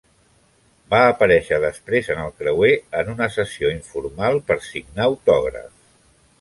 Va aparèixer després en el creuer en una sessió informal per signar autògrafs.